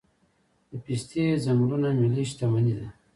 د پستې ځنګلونه ملي شتمني ده؟